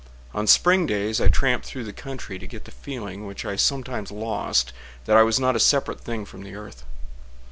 On spring days I tramped through the country To get the feeling, which I sometimes lost, That I was not a separate thing from the earth.